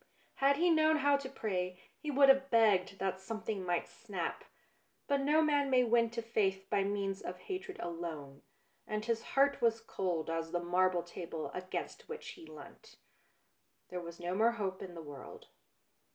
Had he known how to pray he would have begged that something might snap. But no man may win to faith by means of hatred alone, and his heart was cold as the marble table against which he leant. There was no more hope in the world.